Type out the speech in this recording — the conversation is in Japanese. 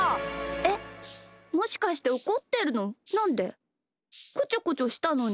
えっもしかしておこってるの？